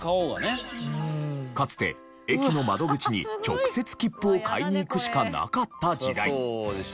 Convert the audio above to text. かつて駅の窓口に直接きっぷを買いに行くしかなかった時代。